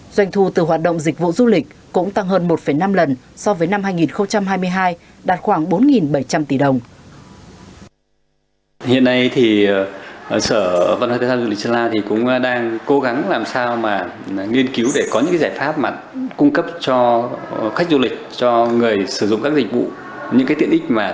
doanh thu từ hoạt động dịch vụ du lịch cũng tăng hơn một năm lần so với năm hai nghìn hai mươi